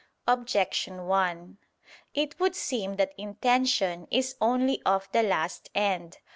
Objection 1: It would seem that intention is only of the last end.